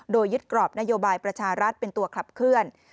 โดยยึดกรอบนโยบายประชารัฐเป็นตัวขับเคลื่อน